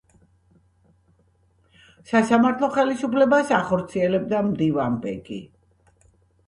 სასამართლო ხელისუფლებას ახორციელებდა მდივანბეგი.